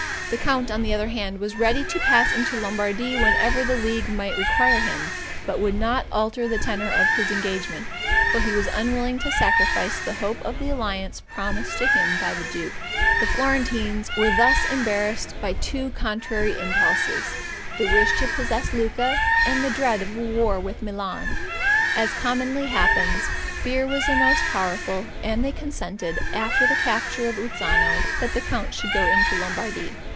The count, on the other hand, was ready to pass into Lombardy whenever the league might require him, but would not alter the tenor of his engagement; for he was unwilling to sacrifice the hope of the alliance promised to him by the duke. The Florentines were thus embarrassed by two contrary impulses, the wish to possess Lucca, and the dread of a war with Milan. As commonly happens, fear was the most powerful, and they consented, after the capture of Uzzano, that the count should go into Lombardy.